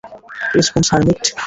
Response, hermit.